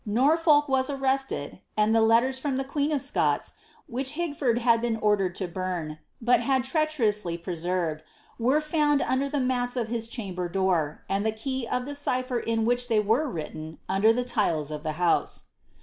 Norfolk was arrested, and the letters from the queen of Scots, which Higford had been ordered to bum, but had treacherously pre served, were found under the mats of his chamber door, and the key of the cipher in which they were written under the tiles of the house.